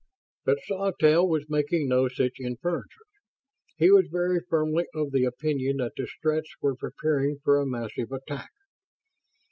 But Sawtelle was making no such inferences. He was very firmly of the opinion that the Stretts were preparing for a massive attack.